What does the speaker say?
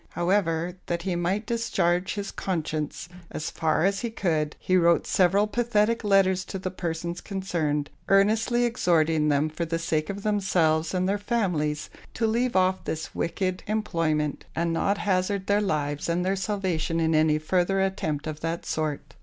However, that he might discharge his conscience as far as he could, he wrote several pathetic letters to the persons concerned; earnestly exhorting them for the sake of themselves and their families to leave off this wicked employment, and not hazard their lives and their salvation in any further attempt of that sort.